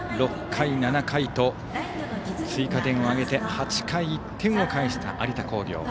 ６回、７回と追加点を挙げて８回に１点を返した有田工業。